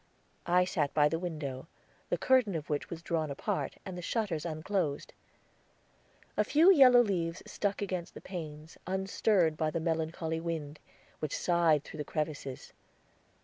I sat by the window, the curtain of which was drawn apart, and the shutters unclosed. A few yellow leaves stuck against the panes, unstirred by the melancholy wind, which sighed through the crevices.